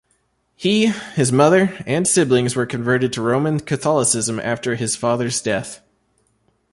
He, his mother and siblings were converted to Roman Catholicism after his father's death.